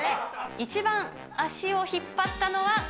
一番足を引っ張ったのは？